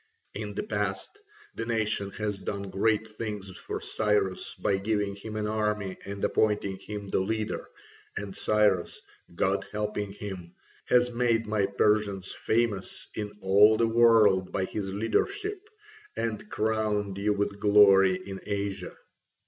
In the past the nation has done great things for Cyrus by giving him an army and appointing him the leader, and Cyrus, God helping him, has made my Persians famous in all the world by his leadership, and crowned you with glory in Asia.